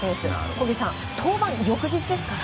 小木さん、登板翌日ですから。